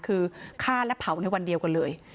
คือฆ่าและเผาในวันเดียวกันเลย